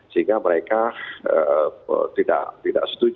sehingga mereka tidak tidak berkebutuhan